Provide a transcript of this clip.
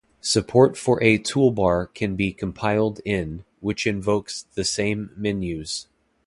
Support for a "toolbar" can be compiled-in, which invokes the same menus.